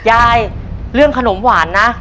เรื่องขนมหวานนะ